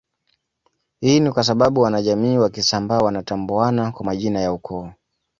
Hii ni kwasababu wanajamii wa Kisambaa wanatambuana kwa majina ya ukoo